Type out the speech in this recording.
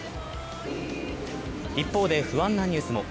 一方で、不安なニュースも。